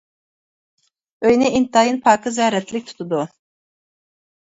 ئۆينى ئىنتايىن پاكىز ۋە رەتلىك تۇتىدۇ.